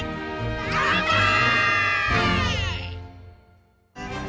かんぱい！